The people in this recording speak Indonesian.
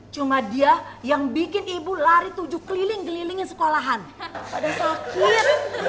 cuma dia yang bikin ibu lari tujuh keliling kelilingi sekolahan pada sakit